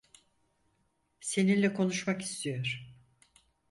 Seninle konuşmak istiyor.